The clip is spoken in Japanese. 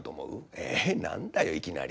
「えなんだよいきなり。